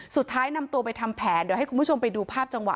สุดท้ายนำตัวไปทำแผนเดี๋ยวให้คุณผู้ชมไปดูภาพจังหวะ